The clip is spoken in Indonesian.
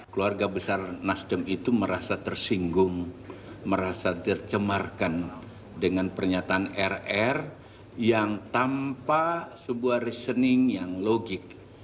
keluarga besar nasdem itu merasa tersinggung merasa tercemarkan dengan pernyataan rr yang tanpa sebuah reasoning yang logik